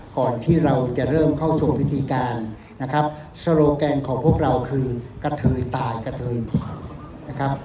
ก่อนที่เราจะเริ่มเข้าสู่พิธีการนะครับโซโลแกนของพวกเราคือกระเทยตายกระเทยนะครับ